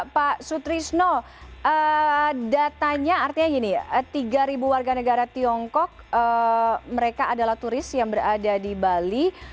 pak sutrisno datanya artinya gini ya tiga ribu warga negara tiongkok mereka adalah turis yang berada di bali